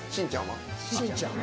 しんちゃんは？